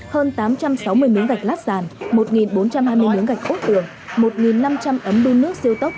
hơn tám trăm sáu mươi miếng gạch lát sàn một bốn trăm hai mươi miếng gạch cốt tường một năm trăm linh ấm đun nước siêu tốc